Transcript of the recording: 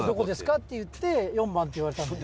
って言って４番って言われた。